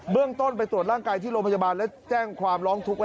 เรื่องต้นไปตรวจร่างกายที่โรงพยาบาลและแจ้งความร้องทุกข์